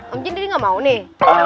om jin jadi gak mau nih